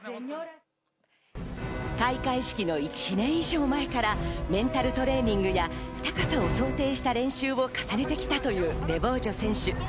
開会式の１年以上前からメンタルトレーニングや高さを想定した練習を重ねてきたというレボージョ選手。